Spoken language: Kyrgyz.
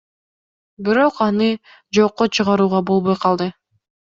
Бирок аны жокко чыгарууга болбой калды.